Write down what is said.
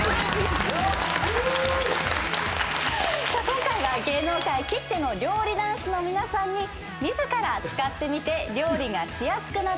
今回は芸能界きっての料理男子の皆さんに自ら使ってみて料理がしやすくなったグッズや。